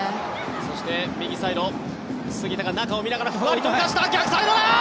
そして、右サイド杉田が中を見ながらふわりと浮かした逆サイドだ！